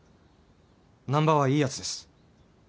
難破はいいやつです。